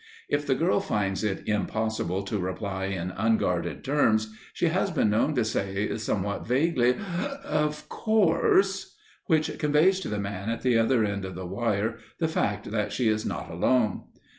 If the girl finds it impossible to reply in unguarded terms, she has been known to say, somewhat vaguely, "Of course," which conveys to the man at the other end of the wire the fact that she is not alone.